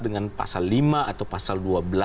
dengan pasal lima atau pasal dua belas